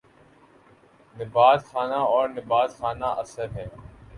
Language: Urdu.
نبات خانہ اور نبات خانہ اثر ہیں